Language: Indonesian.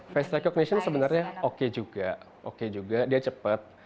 face recognition sebenarnya oke juga oke juga dia cepet